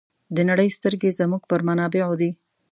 د نړۍ سترګې زموږ پر منابعو دي.